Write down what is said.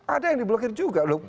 ada yang diblokir juga loh